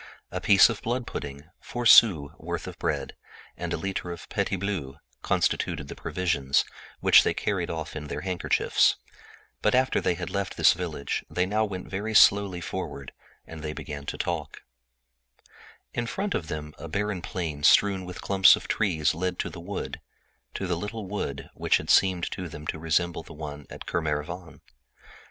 A piece of blood pudding, four sous' worth of bread, and a liter of "petit bleu" constituted the provisions, which they carried off in their handkerchiefs. After they had left Bezons they traveled slowly and began to talk. In front of them a barren plain studded with clumps of trees led to the wood, to the little wood which had seemed to them to resemble the one at Kermarivan.